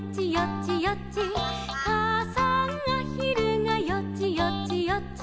「かあさんあひるがよちよちよち」